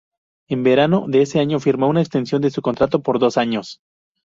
En verano de ese año firmó una extensión de su contrato por dos años.